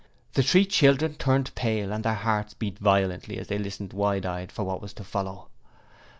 The three children turned pale and their hearts beat violently as they listened wide eyed for what was to follow.